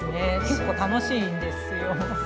結構楽しいんですよ。